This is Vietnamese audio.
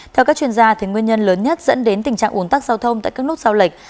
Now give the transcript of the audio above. theo các chuyên gia nguyên nhân lớn nhất dẫn đến tình trạng ủn tắc giao thông tại các nút giao lệch